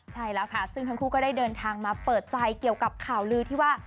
ใช่แล้วค่ะซึ่งทั้งคู่ก็ได้เดินทางมาเปิดใจเกี่ยวกับข่าวลือที่ว่า